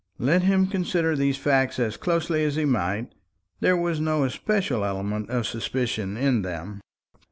Let him consider these facts as closely as he might, there was no especial element of suspicion in them.